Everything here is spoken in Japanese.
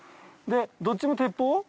でどっちも鉄砲？